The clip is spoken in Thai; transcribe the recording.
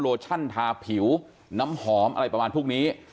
ชั่นทาผิวน้ำหอมอะไรประมาณพวกนี้